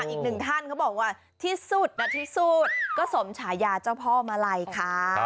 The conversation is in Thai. อีกหนึ่งท่านเขาบอกว่าที่สุดนะที่สุดก็สมฉายาเจ้าพ่อมาลัยค่ะ